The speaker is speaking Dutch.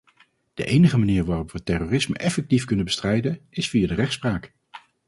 De enige manier waarop we terrorisme effectief kunnen bestrijden is via de rechtspraak.